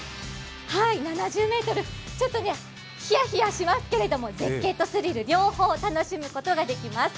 ちょっとひやひやしますけれども、絶景とスリル両方楽しむことができます。